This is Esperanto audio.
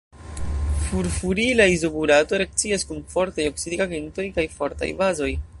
Furfurila izobutirato reakcias kun fortaj oksidigagentoj kaj fortaj bazoj.